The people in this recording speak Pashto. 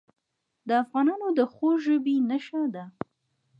د افغانانو د خوږ ژبۍ نښه ده.